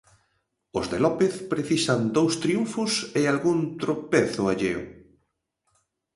Os de López precisan dous triunfos e algún tropezo alleo.